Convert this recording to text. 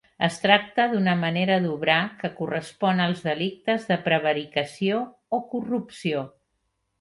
Es tracta d'una manera d'obrar que correspon als delictes de prevaricació o corrupció.